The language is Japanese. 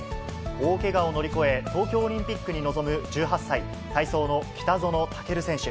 大けがを乗り越え、東京オリンピックに臨む１８歳、体操の北園丈琉選手。